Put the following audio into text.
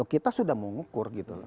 kita sudah mau ngukur gitu